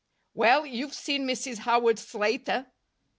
"Well, you've seen Mrs. Howard Slater?"